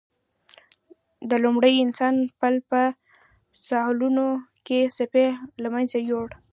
د لومړي انسان پل په ساحلونو کې څپې له منځه یووړ.